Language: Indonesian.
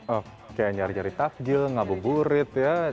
oh kayak nyari nyari tafjil ngabuk burit ya